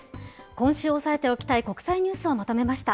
今週、押さえておきたい国際ニュースをまとめました。